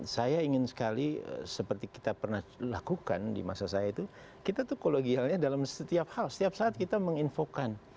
saya ingin sekali seperti kita pernah lakukan di masa saya itu kita tuh kologialnya dalam setiap hal setiap saat kita menginfokan